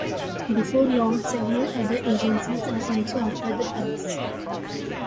Before long several other agencies are also after the prize.